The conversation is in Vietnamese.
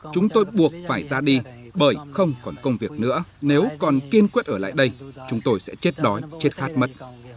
chúng tôi buộc phải ra đi bởi không còn công việc nữa nếu còn kiên quyết ở lại đây chúng tôi sẽ chết đói chết khát mất